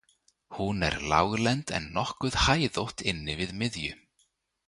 Hún er láglend en nokkuð hæðótt inni við miðju.